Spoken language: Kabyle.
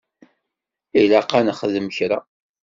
Ilaq-aɣ ad nexdem kra.